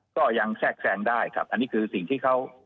ก็ยังแทรกแทรงได้ครับอันนี้คือสิ่งที่เขา